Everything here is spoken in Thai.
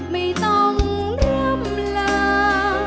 ไม่ต้องเริ่มลา